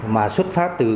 mà xuất phát từ